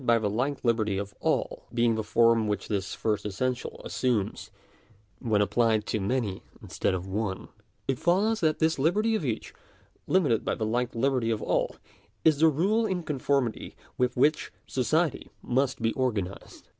by the like liberty of all, being the form which this first essen tial assumes when applied to many instead of one (§ 8), it follows that this liberty of each, limited by the like liberty of all, is the rule in conformity with which society must be organ ised.